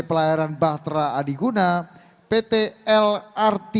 pt pelahiran bahtera adiguna pt lrt jakarta